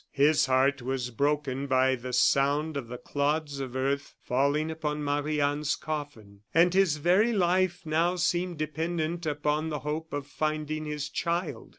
his heart was broken by the sound of the clods of earth falling upon Marie Anne's coffin; and his very life now seemed dependent upon the hope of finding his child.